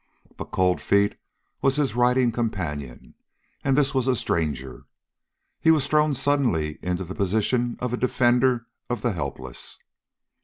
But Cold Feet was his riding companion, and this was a stranger. He was thrown suddenly in the position of a defender of the helpless.